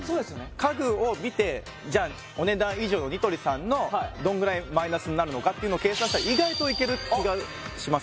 家具を見てじゃ「お、ねだん以上。」のニトリさんのどんぐらいマイナスになるのかっていうのを計算したら意外といける気がします